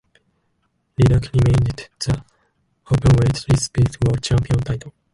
Leduc retained the openweight Lethwei World champion title.